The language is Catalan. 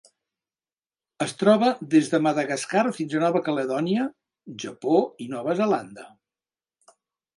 Es troba des de Madagascar fins a Nova Caledònia, Japó i Nova Zelanda.